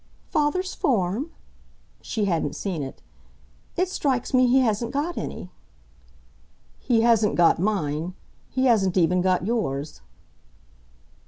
"Father's form?" She hadn't seen it. "It strikes me he hasn't got any." "He hasn't got mine he hasn't even got yours."